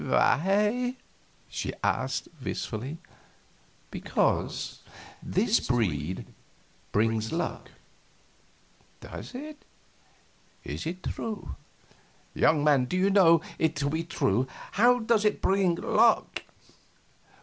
"Why?" she asked, wistfully. "Because this breed brings luck." "Does it? Is it true? Young man, do you know it to be true? How does it bring luck?"